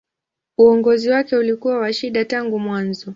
Uongozi wake ulikuwa wa shida tangu mwanzo.